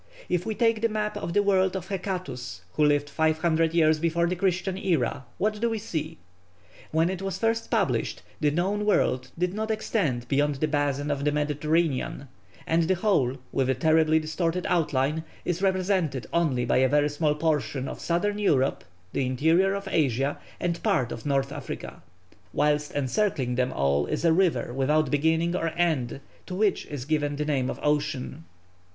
If we take the map of the world of Hecatæus, who lived 500 years before the Christian era, what do we see? When it was published the known world did not extend beyond the basin of the Mediterranean, and the whole, with a terribly distorted outline, is represented only by a very small portion of southern Europe, the interior of Asia, and part of North Africa; whilst encircling them all is a river without beginning or end, to which is given the name of Ocean.